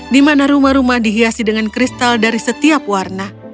di mana rumah rumah dihiasi dengan kristal dari setiap warna